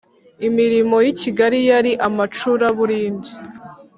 Imirimo yikigali yari amacura-burindi.